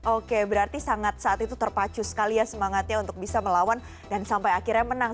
oke berarti saat itu terpacu sekali ya semangatnya untuk bisa melawan dan sampai akhirnya menang